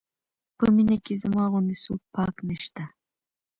په مینه کې زما غوندې څوک پاک نه شته.